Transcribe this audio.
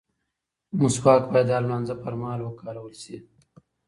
مسواک باید د هر لمانځه پر مهال وکارول شي.